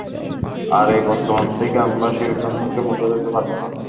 আর, এই বর্তমান থেকে আমার শিশু সন্তানকে মুছে ফেলতে পারব না!